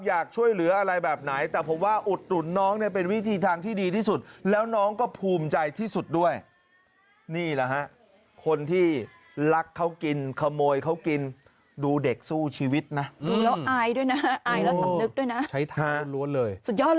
อยากช่วยเหลืออะไรแบบไหนแต่ผมว่าอุดหนุนน้องเนี่ย